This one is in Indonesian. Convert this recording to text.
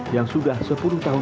yang sudah sepuluh tahun